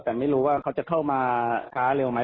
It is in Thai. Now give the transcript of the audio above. แต่ไม่รู้ว่าเขาจะเข้ามาช้าเร็วไหม